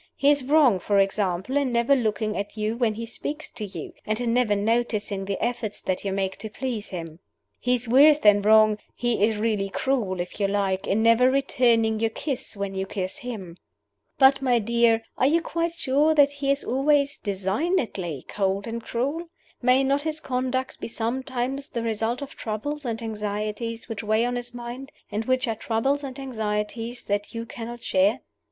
He is wrong, for example, in never looking at you when he speaks to you, and in never noticing the efforts that you make to please him. He is worse than wrong he is really cruel, if you like in never returning your kiss when you kiss him. But, my dear, are you quite sure that he is always designedly cold and cruel? May not his conduct be sometimes the result of troubles and anxieties which weigh on his mind, and which are troubles and anxieties that you cannot share?